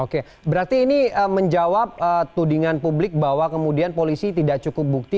oke berarti ini menjawab tudingan publik bahwa kemudian polisi tidak cukup bukti